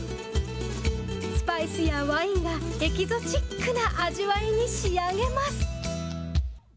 スパイスやワインがエキゾチックな味わいに仕上げます。